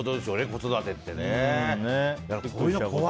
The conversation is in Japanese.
子育てってね。